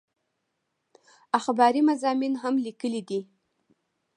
اخباري مضامين هم ليکلي دي